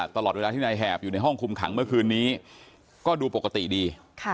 ตลอดเวลาที่นายแหบอยู่ในห้องคุมขังเมื่อคืนนี้ก็ดูปกติดี